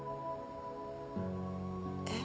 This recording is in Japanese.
えっ？